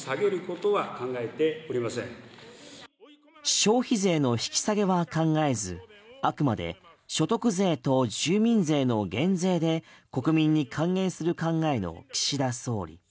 消費税の引き下げは考えずあくまで所得税と住民税の減税で国民に還元する考えの岸田総理。